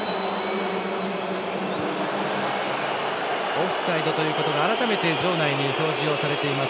オフサイドということが改めて場内に表示をされています。